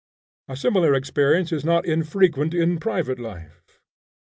A similar experience is not infrequent in private life.